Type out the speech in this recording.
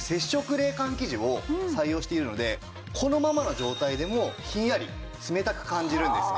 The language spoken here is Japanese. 冷感生地を採用しているのでこのままの状態でもひんやり冷たく感じるんですね。